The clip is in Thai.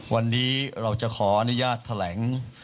วันนี้เราจะขออนุญาตแถลง